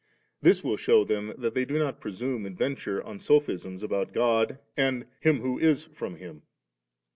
This will shew them that they do but presume and venture on sophisms about God and Him who is firom Him.